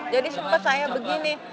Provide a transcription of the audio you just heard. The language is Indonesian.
jadi sempat saya begini